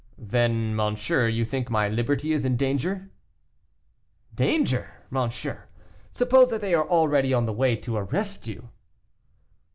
"Then, monsieur, you think my liberty in danger?" "Danger! monsieur; suppose that they are already on the way to arrest you."